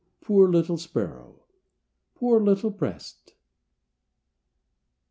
Poor little sparrow! Poor little breast!